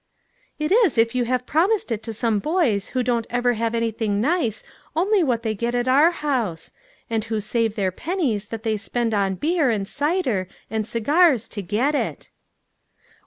" It is if you have promised it to some boys who don't ever have anything nice only what they get at our house ; and who save their pen nies that they spend on beer, and cider, and cigars to get it."